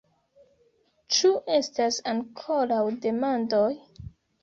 Ĉu estas ankoraŭ demandoj?